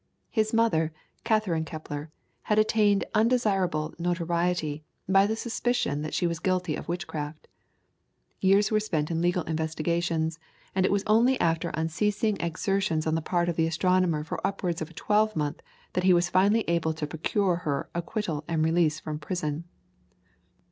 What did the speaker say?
His mother, Catherine Kepler, had attained undesirable notoriety by the suspicion that she was guilty of witchcraft. Years were spent in legal investigations, and it was only after unceasing exertions on the part of the astronomer for upwards of a twelve month that he was finally able to procure her acquittal and release from prison.